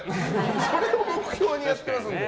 それを目標にやってますんで。